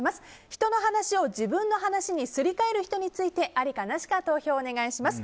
人の話を自分の話にすり替える人についてありかなしか投票をお願いします。